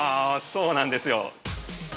◆そうなんですよ。